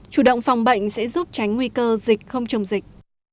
chủ động phòng bệnh sẽ giúp tránh nguy cơ dịch không trồng dịch